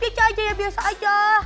kica aja ya biasa aja